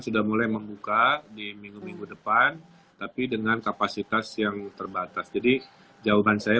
sudah mulai membuka di minggu minggu depan tapi dengan kapasitas yang terbatas jadi jauhan saya